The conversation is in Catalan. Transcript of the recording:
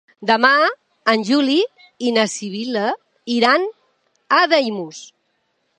Demà en Juli i na Sibil·la iran a Daimús.